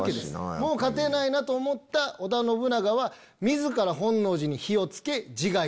もう勝てないなと思った織田信長は自ら本能寺に火を付け自害する。